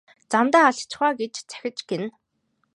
Замдаа алдчихав аа гэж захиж гэнэ.